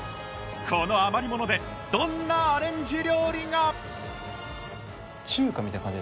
この余り物でどんなアレンジ料理が？